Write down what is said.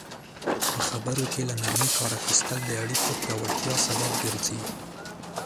په خبرو کې له نرمي کار اخیستل د اړیکو پیاوړتیا سبب ګرځي.